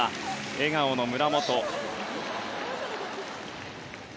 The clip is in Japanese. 笑顔の村元。